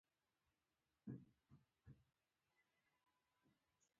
درېمه پوښتنه: شجاع الملک څنګه واک ته ورسېد؟ توضیح یې کړئ.